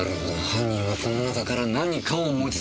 犯人はこの中から何かを持ち去った！